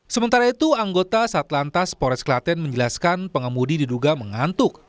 sementara itu anggota satlantas pores klaten menjelaskan pengemudi diduga mengantuk